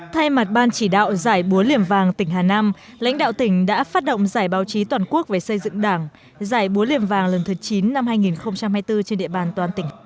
thay mặt ban chỉ đạo giải búa liềm vàng tỉnh hà nam lãnh đạo tỉnh đã phát động giải báo chí toàn quốc về xây dựng đảng giải búa liềm vàng lần thứ chín năm hai nghìn hai mươi bốn trên địa bàn toàn tỉnh